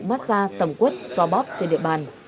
massage tầm quất xoa bóp trên địa bàn